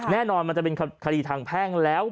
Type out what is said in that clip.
แน่นอนมันจะเป็นคดีทางแพงแล้ว